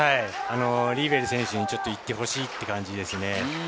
リーベル選手にいってほしい感じですね。